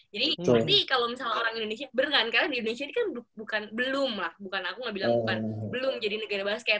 jadi pasti kalo misalnya orang indonesia bener kan karena di indonesia ini kan bukan belum lah bukan aku nggak bilang belum jadi negara basket